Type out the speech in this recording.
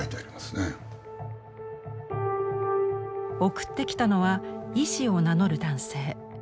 送ってきたのは医師を名乗る男性。